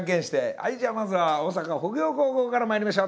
はいじゃあまずは大阪北陽高校からまいりましょう。